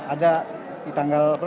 ada di tanggal